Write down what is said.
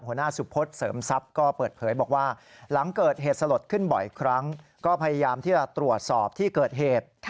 หัวหน้าสุพศเสริมทรัพย์ก็เปิดเผยบอกว่าหลังเกิดเหตุสลดขึ้นบ่อยครั้งก็พยายามที่จะตรวจสอบที่เกิดเหตุ